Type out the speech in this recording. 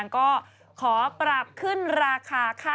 ก็ขอปรับขึ้นราคาค่า